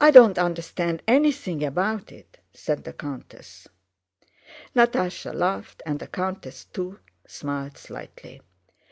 I don't understand anything about it," said the countess. Natásha laughed, and the countess too smiled slightly.